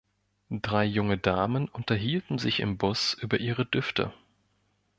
Drei junge Damen unterhielten sich im Bus über ihre Düfte.